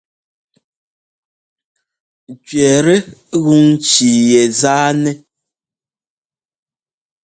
Cʉɛtɛ́ gún ŋci yɛ zánɛ́.